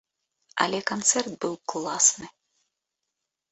Але канцэрт быў класны.